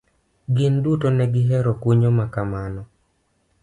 Gin duto negi hero kunyo makamano.